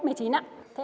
thế em có ho không